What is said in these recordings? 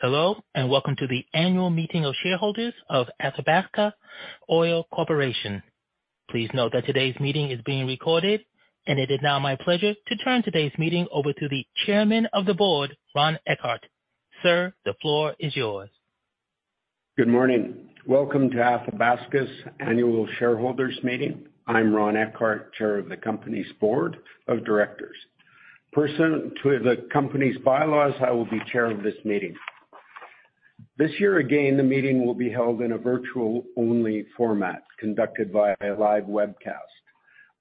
Hello, welcome to the annual meeting of shareholders of Athabasca Oil Corporation. Please note that today's meeting is being recorded. It is now my pleasure to turn today's meeting over to the Chairman of the Board, Ron Eckhardt. Sir, the floor is yours. Good morning. Welcome to Athabasca's annual shareholders meeting. I'm Ron Eckhardt, chair of the company's board of directors. Pursuant to the company's bylaws, I will be chair of this meeting. This year again, the meeting will be held in a virtual-only format, conducted via live webcast.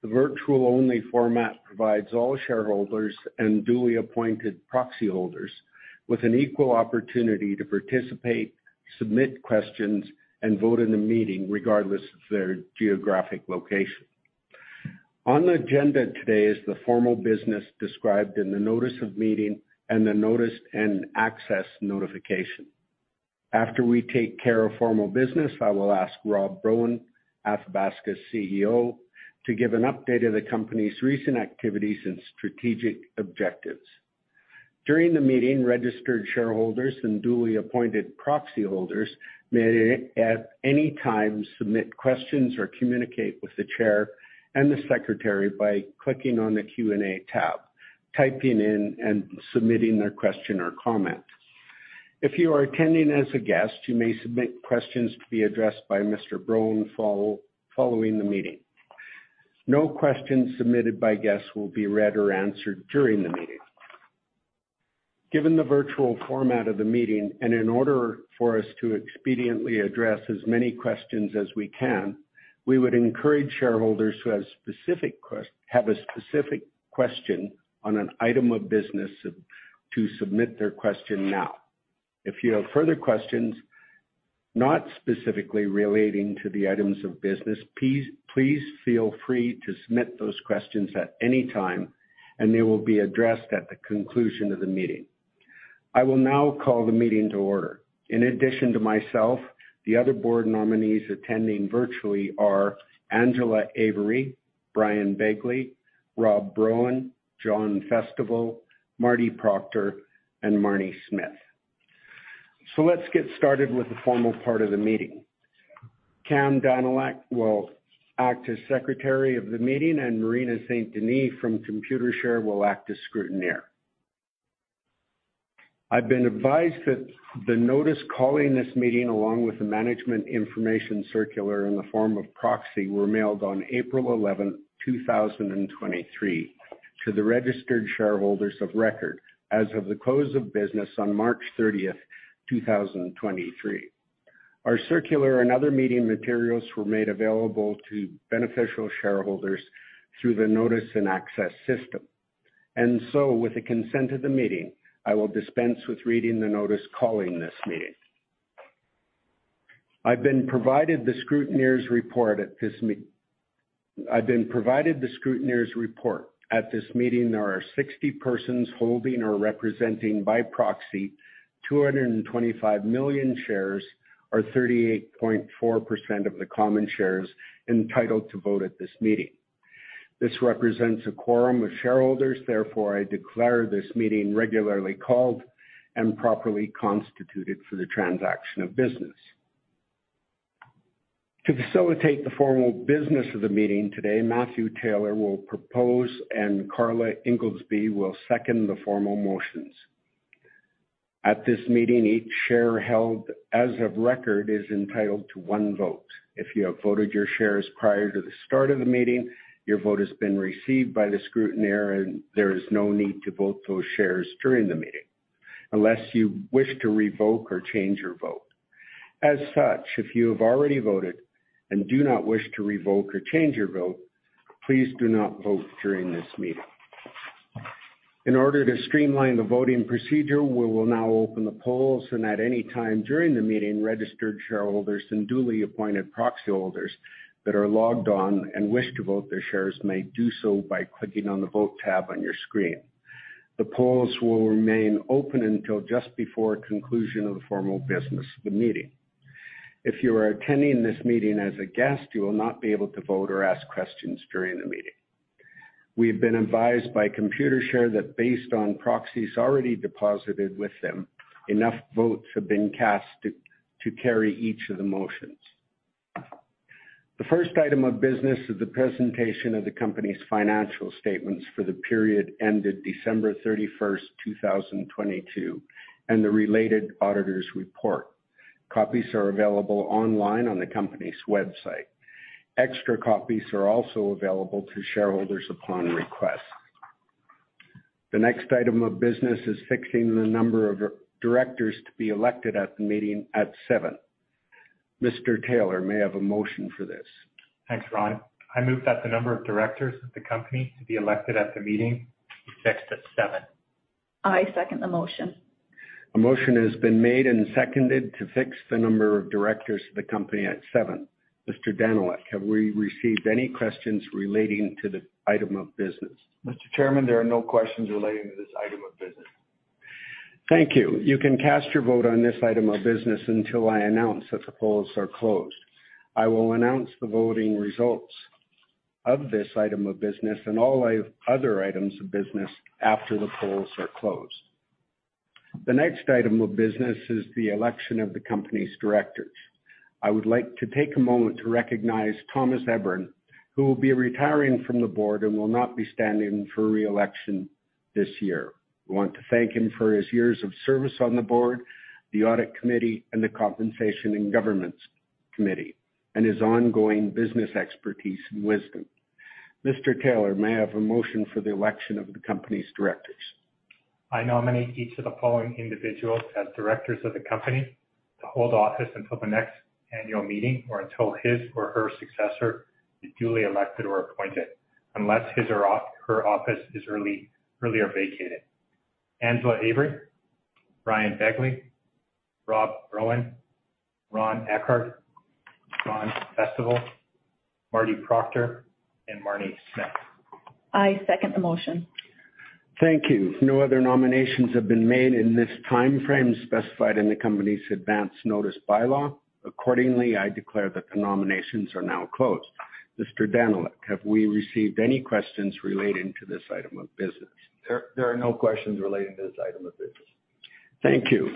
The virtual-only format provides all shareholders and duly appointed proxy holders with an equal opportunity to participate, submit questions, and vote in the meeting regardless of their geographic location. On the agenda today is the formal business described in the notice of meeting and the notice and access notification. After we take care of formal business, I will ask Rob Broen, Athabasca's CEO, to give an update of the company's recent activities and strategic objectives. During the meeting, registered shareholders and duly appointed proxy holders may at any time submit questions or communicate with the chair and the secretary by clicking on the Q&A tab, typing in, and submitting their question or comment. If you are attending as a guest, you may submit questions to be addressed by Mr. Broen following the meeting. No questions submitted by guests will be read or answered during the meeting. Given the virtual format of the meeting and in order for us to expediently address as many questions as we can, we would encourage shareholders who have a specific question on an item of business to submit their question now. If you have further questions not specifically relating to the items of business, please feel free to submit those questions at any time, and they will be addressed at the conclusion of the meeting. I will now call the meeting to order. In addition to myself, the other board nominees attending virtually are Angela Avery, Bryan Begley, Rob Broen, John Festival, Marty Proctor, and Marnie Smith. Let's get started with the formal part of the meeting. Cam Danyluk will act as secretary of the meeting, and Marina St. Denis from Computershare will act as scrutineer. I've been advised that the notice calling this meeting, along with the management information circular in the form of proxy, were mailed on April 11, 2023 to the registered shareholders of record as of the close of business on March 30, 2023. Our circular and other meeting materials were made available to beneficial shareholders through the notice and access system. With the consent of the meeting, I will dispense with reading the notice calling this meeting. I've been provided the scrutineer's report. At this meeting, there are 60 persons holding or representing by proxy 225 million shares, or 38.4% of the common shares entitled to vote at this meeting. This represents a quorum of shareholders. Therefore, I declare this meeting regularly called and properly constituted for the transaction of business. To facilitate the formal business of the meeting today, Matthew Taylor will propose and Karla Ingoldsby will second the formal motions. At this meeting, each share held as of record is entitled to 1 vote. If you have voted your shares prior to the start of the meeting, your vote has been received by the scrutineer, and there is no need to vote those shares during the meeting, unless you wish to revoke or change your vote. As such, if you have already voted and do not wish to revoke or change your vote, please do not vote during this meeting. In order to streamline the voting procedure, we will now open the polls. At any time during the meeting, registered shareholders and duly appointed proxy holders that are logged on and wish to vote their shares may do so by clicking on the Vote tab on your screen. The polls will remain open until just before conclusion of the formal business of the meeting. If you are attending this meeting as a guest, you will not be able to vote or ask questions during the meeting. We have been advised by Computershare that based on proxies already deposited with them, enough votes have been cast to carry each of the motions. The first item of business is the presentation of the company's financial statements for the period ended December 31, 2022, and the related auditor's report. Copies are available online on the company's website. Extra copies are also available to shareholders upon request. The next item of business is fixing the number of directors to be elected at the meeting at 7. Mr. Taylor, may I have a motion for this? Thanks, Ron. I move that the number of directors of the company to be elected at the meeting be fixed at 7. I second the motion. A motion has been made and seconded to fix the number of directors of the company at seven. Mr. Danyluk, have we received any questions relating to the item of business? Mr. Chairman, there are no questions relating to this item of business. Thank you. You can cast your vote on this item of business until I announce that the polls are closed. I will announce the voting results of this item of business and all other items of business after the polls are closed. The next item of business is the election of the company's directors. I would like to take a moment to recognize Thomas Ebbern, who will be retiring from the board and will not be standing for re-election this year. We want to thank him for his years of service on the board, the audit committee, and the Compensation and Governance Committee, and his ongoing business expertise and wisdom. Mr. Taylor, may I have a motion for the election of the company's directors? I nominate each of the following individuals as directors of the company to hold office until the next annual meeting or until his or her successor be duly elected or appointed, unless his or her office is earlier vacated. Angela Avery, Bryan Begley, Rob Broen, Ronald Eckhardt, John Festival, Marty Proctor, and Marnie Smith. I second the motion. Thank you. No other nominations have been made in this timeframe specified in the company's advance notice bylaw. Accordingly, I declare that the nominations are now closed. Mr. Danyluk, have we received any questions relating to this item of business? There are no questions relating to this item of business. Thank you.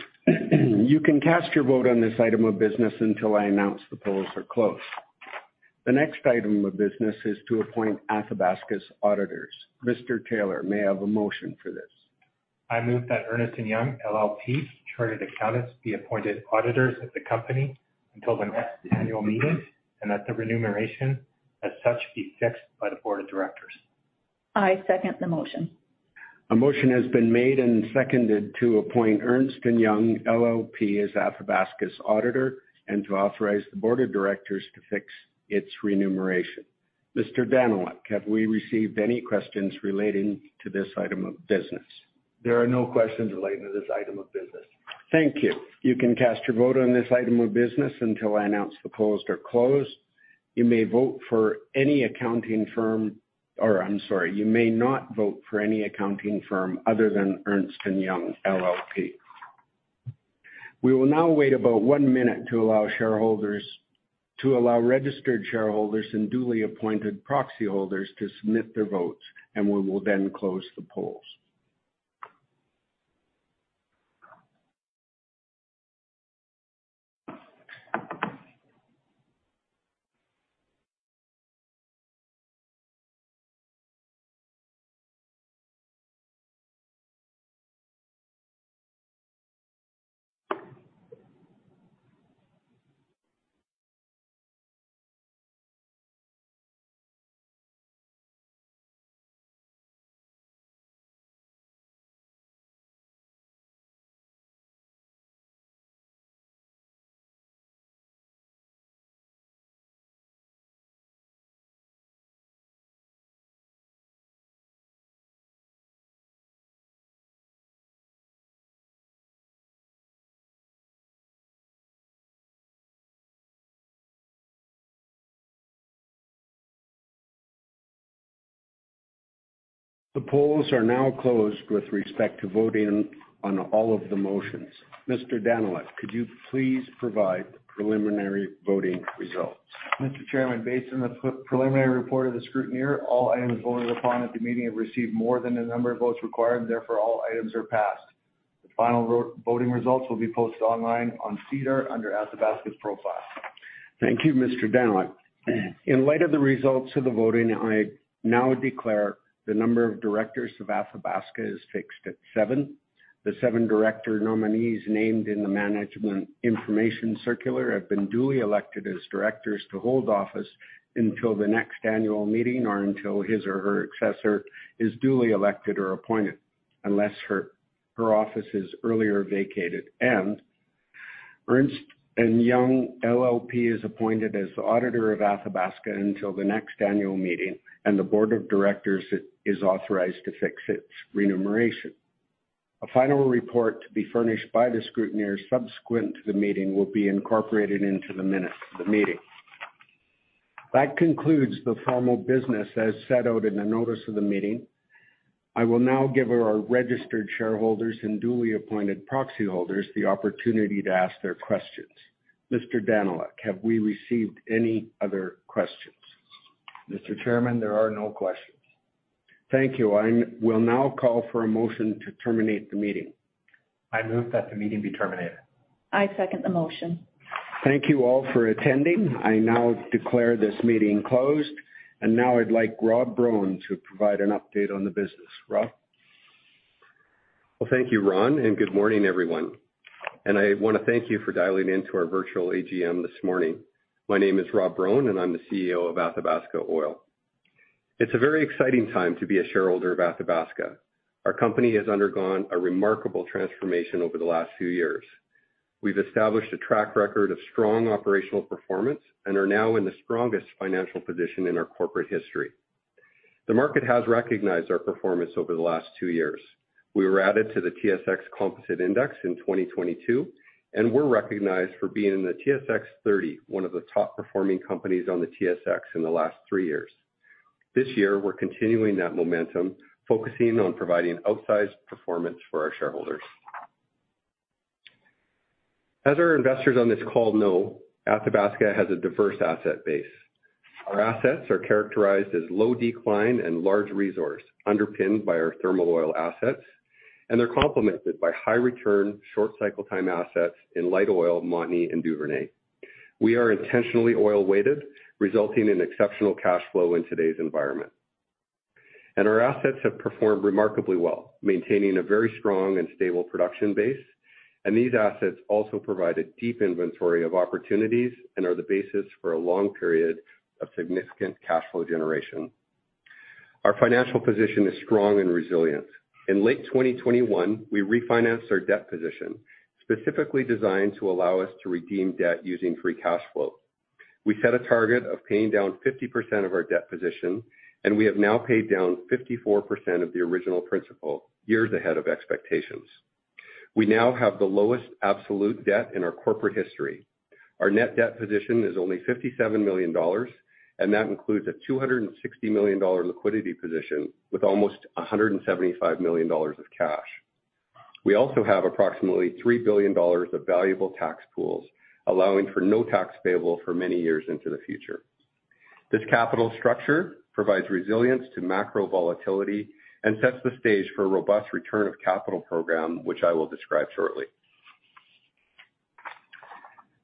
You can cast your vote on this item of business until I announce the polls are closed. The next item of business is to appoint Athabasca's auditors. Mr. Taylor, may I have a motion for this? I move that Ernst & Young LLP Chartered Accountants be appointed auditors of the company until the next annual meeting and that the remuneration as such be fixed by the board of directors. I second the motion. A motion has been made and seconded to appoint Ernst & Young LLP as Athabasca's auditor and to authorize the board of directors to fix its remuneration. Mr. Danyluk, have we received any questions relating to this item of business? There are no questions relating to this item of business. Thank you. You can cast your vote on this item of business until I announce the polls are closed. You may not vote for any accounting firm other than Ernst & Young LLP. We will now wait about one minute to allow registered shareholders and duly appointed proxy holders to submit their votes, and we will then close the polls. The polls are now closed with respect to voting on all of the motions. Mr. Danyluk, could you please provide the preliminary voting results? Mr. Chairman, based on the preliminary report of the scrutineer, all items voted upon at the meeting have received more than the number of votes required, therefore, all items are passed. The final voting results will be posted online on SEDAR under Athabasca's profile. Thank you, Mr. Danyluk. In light of the results of the voting, I now declare the number of directors of Athabasca is fixed at seven. The seven director nominees named in the management information circular have been duly elected as directors to hold office until the next annual meeting or until his or her successor is duly elected or appointed, unless her office is earlier vacated. Ernst & Young LLP is appointed as the auditor of Athabasca until the next annual meeting, and the board of directors is authorized to fix its remuneration. A final report to be furnished by the scrutineers subsequent to the meeting will be incorporated into the minutes of the meeting. That concludes the formal business as set out in the notice of the meeting. I will now give our registered shareholders and duly appointed proxy holders the opportunity to ask their questions. Mr. Danyluk, have we received any other questions? Mr. Chairman, there are no questions. Thank you. will now call for a motion to terminate the meeting. I move that the meeting be terminated. I second the motion. Thank you all for attending. I now declare this meeting closed. Now I'd like Rob Broen to provide an update on the business. Rob? Well, thank you, Ron. Good morning, everyone. I want to thank you for dialing in to our virtual AGM this morning. My name is Rob Broen, and I'm the CEO of Athabasca Oil. It's a very exciting time to be a shareholder of Athabasca. Our company has undergone a remarkable transformation over the last few years. We've established a track record of strong operational performance and are now in the strongest financial position in our corporate history. The market has recognized our performance over the last 2 years. We were added to the TSX Composite Index in 2022, and we're recognized for being in the TSX30, one of the top performing companies on the TSX in the last 3 years. This year, we're continuing that momentum, focusing on providing outsized performance for our shareholders. As our investors on this call know, Athabasca has a diverse asset base. Our assets are characterized as low decline and large resource underpinned by our thermal oil assets, and they're complemented by high return, short cycle time assets in light oil, Montney, and Duvernay. We are intentionally oil-weighted, resulting in exceptional cash flow in today's environment. Our assets have performed remarkably well, maintaining a very strong and stable production base, and these assets also provide a deep inventory of opportunities and are the basis for a long period of significant cash flow generation. Our financial position is strong and resilient. In late 2021, we refinanced our debt position, specifically designed to allow us to redeem debt using free cash flow. We set a target of paying down 50% of our debt position, and we have now paid down 54% of the original principal, years ahead of expectations. We now have the lowest absolute debt in our corporate history. Our net debt position is only 57 million dollars, and that includes a 260 million dollar liquidity position with almost 175 million dollars of cash. We also have approximately 3 billion dollars of valuable tax pools, allowing for no tax payable for many years into the future. This capital structure provides resilience to macro volatility and sets the stage for a robust return of capital program, which I will describe shortly.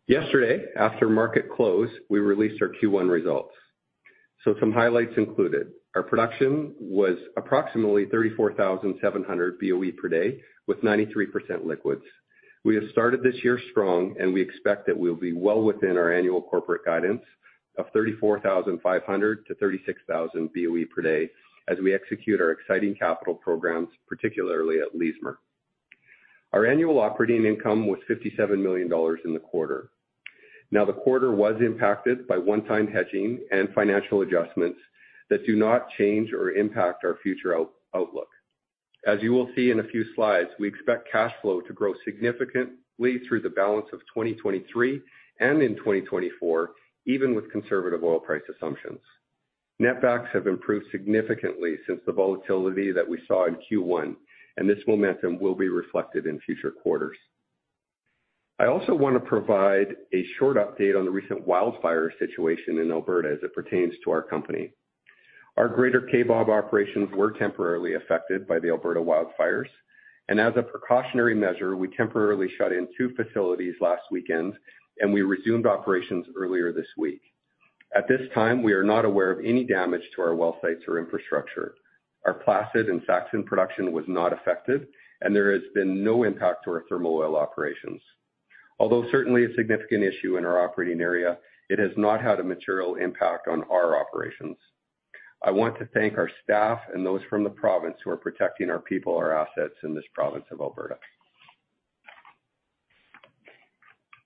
Yesterday, after market close, we released our Q1 results. Some highlights included. Our production was approximately 34,700 BOE per day with 93% liquids. We have started this year strong, and we expect that we'll be well within our annual corporate guidance of 34,500-36,000 BOE per day as we execute our exciting capital programs, particularly at Leismer. Our annual operating income was 57 million dollars in the quarter. The quarter was impacted by one-time hedging and financial adjustments that do not change or impact our future outlook. As you will see in a few slides, we expect cash flow to grow significantly through the balance of 2023 and in 2024, even with conservative oil price assumptions. Net backs have improved significantly since the volatility that we saw in Q1. This momentum will be reflected in future quarters. I also want to provide a short update on the recent wildfire situation in Alberta as it pertains to our company. Our greater Kaybob operations were temporarily affected by the Alberta wildfires. As a precautionary measure, we temporarily shut in 2 facilities last weekend. We resumed operations earlier this week. At this time, we are not aware of any damage to our well sites or infrastructure. Our Placid and Saxon production was not affected, and there has been no impact to our Thermal Oil operations. Although certainly a significant issue in our operating area, it has not had a material impact on our operations. I want to thank our staff and those from the province who are protecting our people, our assets in this province of Alberta.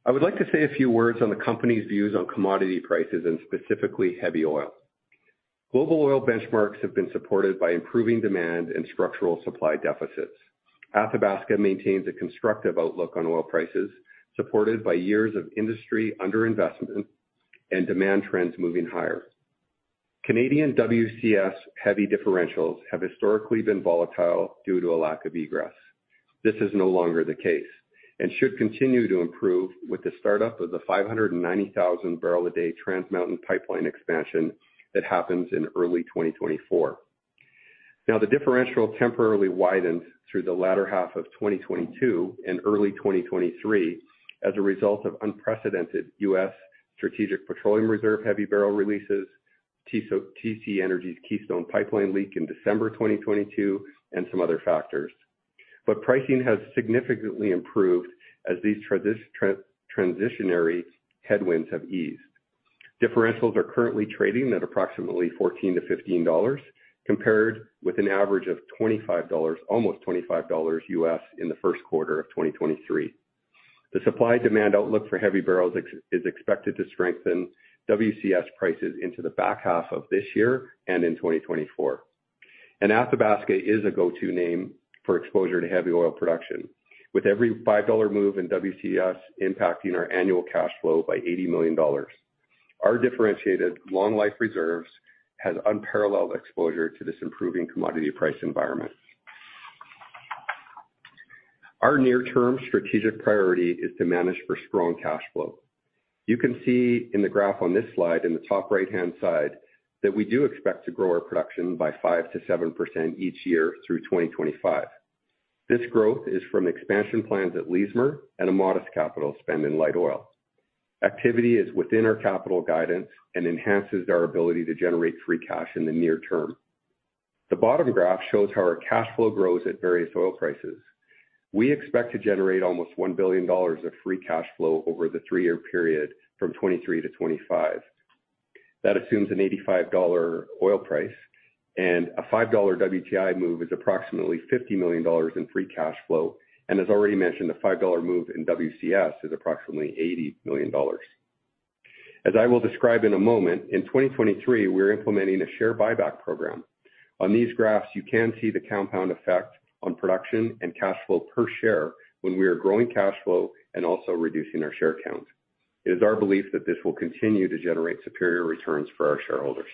I would like to say a few words on the company's views on commodity prices and specifically heavy oil. Global oil benchmarks have been supported by improving demand and structural supply deficits. Athabasca maintains a constructive outlook on oil prices, supported by years of industry under-investment and demand trends moving higher. Canadian WCS heavy differentials have historically been volatile due to a lack of egress. This is no longer the case and should continue to improve with the start-up of the 590,000 barrel a day Trans Mountain pipeline expansion that happens in early 2024. The differential temporarily widened through the latter half of 2022 and early 2023 as a result of unprecedented U.S. Strategic Petroleum Reserve heavy barrel releases, TC Energy's Keystone Pipeline leak in December 2022, and some other factors. Pricing has significantly improved as these transitionary headwinds have eased. Differentials are currently trading at approximately $14-$15, compared with an average of $25, almost $25 U.S. in the first quarter of 2023. The supply-demand outlook for heavy barrels is expected to strengthen WCS prices into the back half of this year and in 2024. Athabasca is a go-to name for exposure to heavy oil production. With every 5 dollar move in WCS impacting our annual cash flow by 80 million dollars. Our differentiated long life reserves has unparalleled exposure to this improving commodity price environment. Our near-term strategic priority is to manage for strong cash flow. You can see in the graph on this slide in the top right-hand side that we do expect to grow our production by 5%-7% each year through 2025. This growth is from expansion plans at Leismer and a modest capital spend in light oil. Activity is within our capital guidance and enhances our ability to generate free cash in the near term. The bottom graph shows how our cash flow grows at various oil prices. We expect to generate almost 1 billion dollars of free cash flow over the 3-year period from 2023-2025. That assumes a 85 dollar oil price, and a 5 dollar WTI move is approximately 50 million dollars in free cash flow, and as already mentioned, a 5 dollar move in WCS is approximately 80 million dollars. As I will describe in a moment, in 2023, we are implementing a share buyback program. On these graphs, you can see the compound effect on production and cash flow per share when we are growing cash flow and also reducing our share count. It is our belief that this will continue to generate superior returns for our shareholders.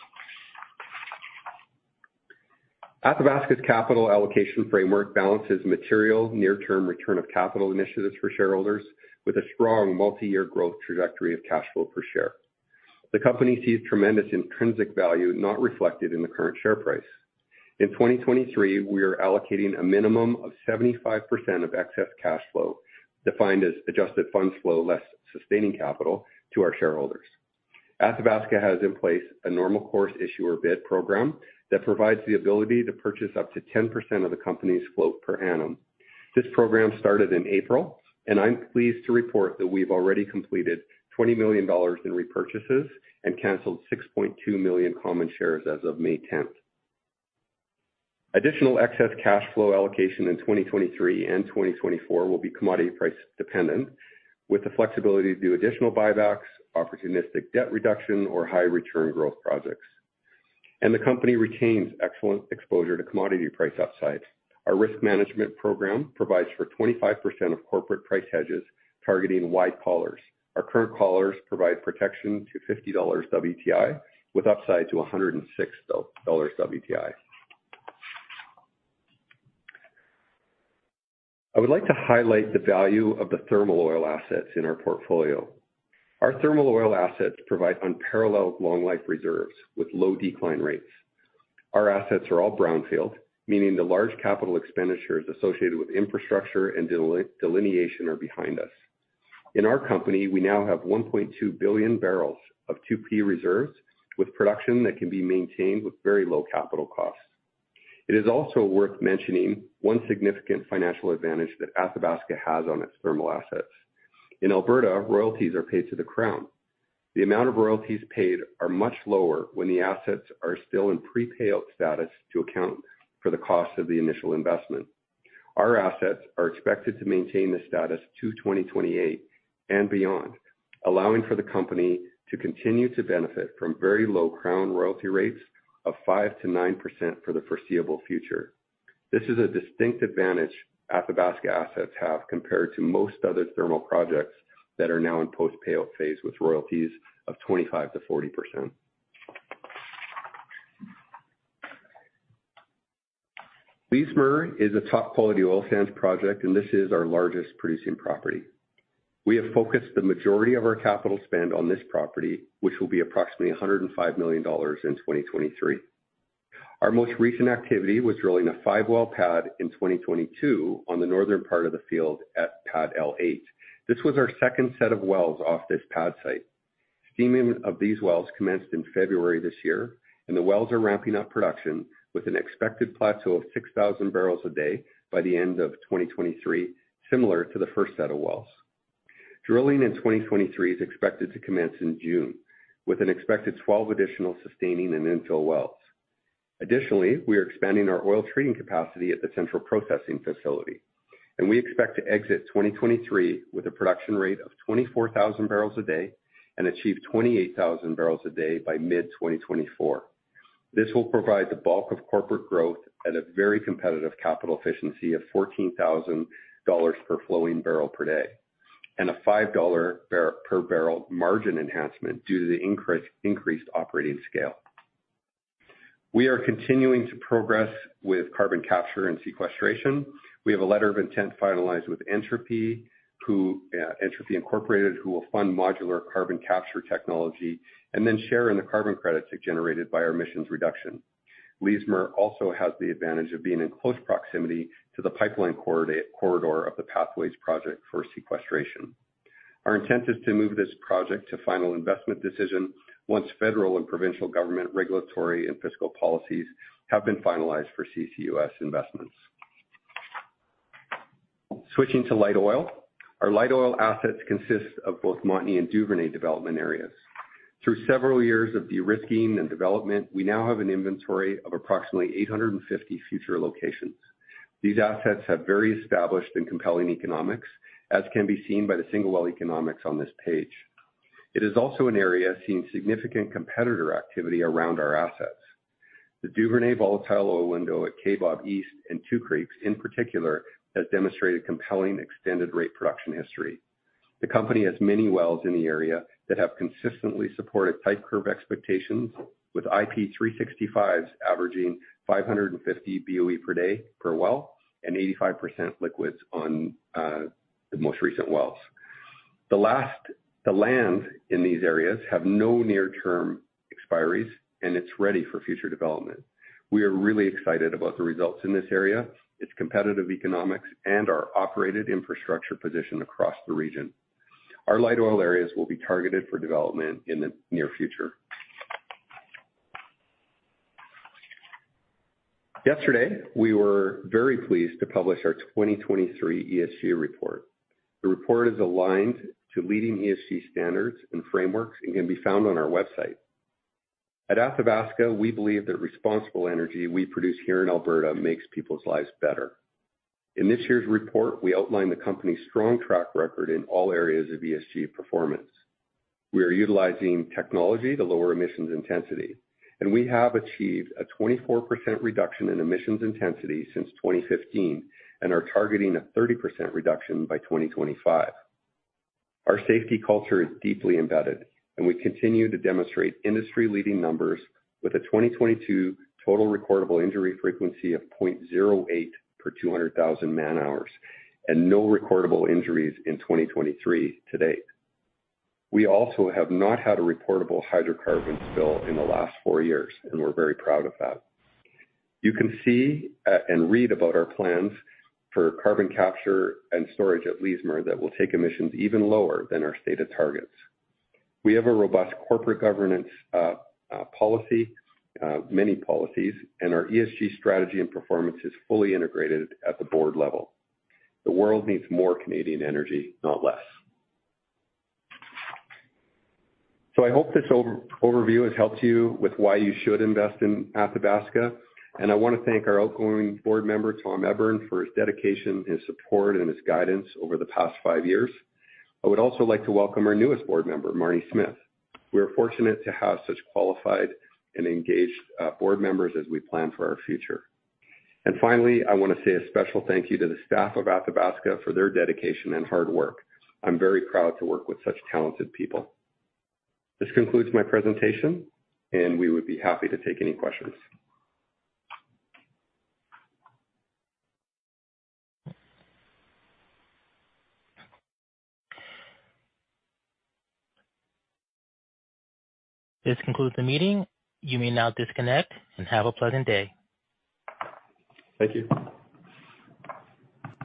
Athabasca's capital allocation framework balances material near term return of capital initiatives for shareholders with a strong multi-year growth trajectory of cash flow per share. The company sees tremendous intrinsic value not reflected in the current share price. In 2023, we are allocating a minimum of 75% of excess cash flow, defined as adjusted funds flow less sustaining capital to our shareholders. Athabasca has in place a Normal Course Issuer Bid program that provides the ability to purchase up to 10% of the company's float per annum. This program started in April, I'm pleased to report that we've already completed 20 million dollars in repurchases and canceled 6.2 million common shares as of May 10th. Additional excess cash flow allocation in 2023 and 2024 will be commodity price dependent with the flexibility to do additional buybacks, opportunistic debt reduction or high return growth projects. The company retains excellent exposure to commodity price upside. Our risk management program provides for 25% of corporate price hedges targeting wide collars. Our current callers provide protection to $50 WTI with upside to $106 WTI. I would like to highlight the value of the thermal oil assets in our portfolio. Our thermal oil assets provide unparalleled long life reserves with low decline rates. Our assets are all brownfield, meaning the large capital expenditures associated with infrastructure and delineation are behind us. In our company, we now have 1.2 billion barrels of 2P reserves with production that can be maintained with very low capital costs. It is also worth mentioning one significant financial advantage that Athabasca has on its thermal assets. In Alberta, royalties are paid to the Crown. The amount of royalties paid are much lower when the assets are still in pre-payout status to account for the cost of the initial investment. Our assets are expected to maintain the status to 2028 and beyond, allowing for the company to continue to benefit from very low crown royalty rates of 5%-9% for the foreseeable future. This is a distinct advantage Athabasca assets have compared to most other thermal projects that are now in post-payout phase with royalties of 25%-40%. Leismer is a top quality oil sands project and this is our largest producing property. We have focused the majority of our capital spend on this property, which will be approximately 105 million dollars in 2023. Our most recent activity was drilling a 5-well pad in 2022 on the northern part of the field at Pad L8. This was our second set of wells off this pad site. Steaming of these wells commenced in February this year. The wells are ramping up production with an expected plateau of 6,000 barrels a day by the end of 2023, similar to the first set of wells. Drilling in 2023 is expected to commence in June, with an expected 12 additional sustaining and infill wells. Additionally, we are expanding our oil treating capacity at the central processing facility. We expect to exit 2023 with a production rate of 24,000 barrels a day and achieve 28,000 barrels a day by mid-2024. This will provide the bulk of corporate growth at a very competitive capital efficiency of 14,000 dollars per flowing barrel per day and a 5 dollar per barrel margin enhancement due to the increased operating scale. We are continuing to progress with carbon capture and sequestration. We have a letter of intent finalized with Entropy, who, Entropy Incorporated, who will fund modular carbon capture technology and then share in the carbon credits generated by our emissions reduction. Leismer also has the advantage of being in close proximity to the pipeline corridor of the Pathways project for sequestration. Our intent is to move this project to final investment decision once federal and provincial government regulatory and fiscal policies have been finalized for CCUS investments. Switching to light oil. Our light oil assets consist of both Montney and Duvernay development areas. Through several years of de-risking and development, we now have an inventory of approximately 850 future locations. These assets have very established and compelling economics, as can be seen by the single well economics on this page. It is also an area seeing significant competitor activity around our assets. The Duvernay volatile oil window at Kaybob East and Two Creeks in particular, has demonstrated compelling extended rate production history. The company has many wells in the area that have consistently supported type curve expectations with IP365s averaging 550 BOE per day per well and 85% liquids on the most recent wells. The land in these areas have no near term expiries and it's ready for future development. We are really excited about the results in this area, its competitive economics and our operated infrastructure position across the region. Our light oil areas will be targeted for development in the near future. Yesterday, we were very pleased to publish our 2023 ESG report. The report is aligned to leading ESG standards and frameworks and can be found on our website. At Athabasca, we believe that responsible energy we produce here in Alberta makes people's lives better. In this year's report, we outline the company's strong track record in all areas of ESG performance. We are utilizing technology to lower emissions intensity. We have achieved a 24% reduction in emissions intensity since 2015 and are targeting a 30% reduction by 2025. Our safety culture is deeply embedded and we continue to demonstrate industry-leading numbers with a 2022 Total Recordable Injury Frequency of 0.08 per 200,000 man-hours and no recordable injuries in 2023 to date. We also have not had a reportable hydrocarbons spill in the last four years. We're very proud of that. You can see and read about our plans for carbon capture and storage at Leismer that will take emissions even lower than our stated targets. We have a robust corporate governance policy, many policies, and our ESG strategy and performance is fully integrated at the board level. The world needs more Canadian energy, not less. I hope this over-overview has helped you with why you should invest in Athabasca. I wanna thank our outgoing board member, Tom Ebbern, for his dedication, his support, and his guidance over the past five years. I would also like to welcome our newest board member, Marnie Smith. We are fortunate to have such qualified and engaged board members as we plan for our future. Finally, I wanna say a special thank you to the staff of Athabasca for their dedication and hard work. I'm very proud to work with such talented people. This concludes my presentation, and we would be happy to take any questions. This concludes the meeting. You may now disconnect and have a pleasant day. Thank you.